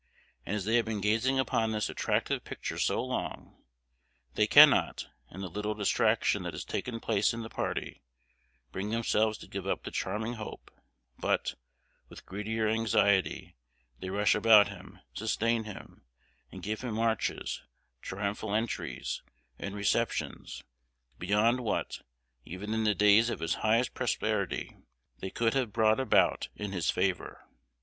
And as they have been gazing upon this attractive picture so long, they cannot, in the little distraction that has taken place in the party, bring themselves to give up the charming hope; but, with greedier anxiety, they rush about him, sustain him, and give him marches, triumphal entries, and receptions, beyond what, even in the days of his highest prosperity, they could have brought about in his favor.